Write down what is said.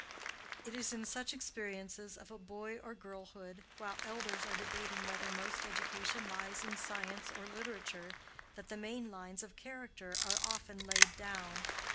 It is in such experiences of a boy or girlhood, while elders are debating whether most education lies in science or literature, that the main lines of character are often laid down.